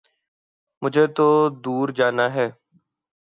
مجھے تو دور جانا ہے